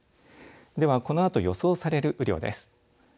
ではこのあと予想される雨量です。